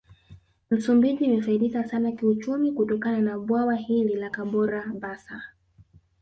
Msumbiji imefaidika sana kiuchumi kutokana na Bwawa hili la Kabora basa